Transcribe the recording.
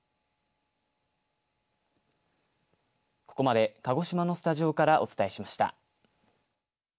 ここまで鹿児島のスタジオからお伝えしました。